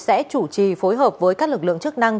sẽ chủ trì phối hợp với các lực lượng chức năng